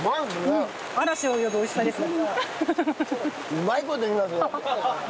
うまい事言いますね。